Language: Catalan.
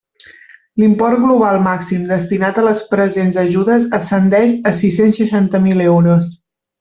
L'import global màxim destinat a les presents ajudes ascendeix a sis-cents seixanta mil euros.